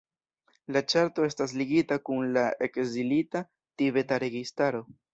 La ĉarto estas ligita kun la Ekzilita tibeta registaro.